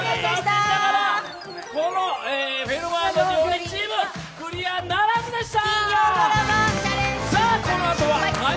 「フェルマーの料理」チームクリアならずでした。